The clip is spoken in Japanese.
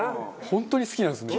本当に好きなんですね。